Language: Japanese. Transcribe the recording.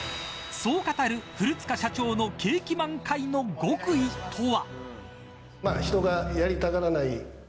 そう語る古塚社長の景気満開の極意とは。